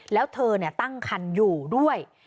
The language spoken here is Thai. แล้วเธอตั้งคันอยู่ด้วย